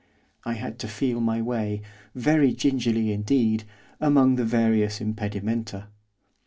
I had to feel my way, very gingerly indeed, among the various impedimenta.